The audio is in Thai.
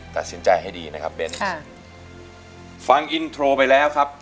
ตัดสินใจให้ดีนะครับเบ้นค่ะฟังอินโทรไปแล้วครับ